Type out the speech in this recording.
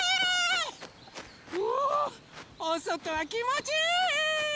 うわおそとはきもちいい！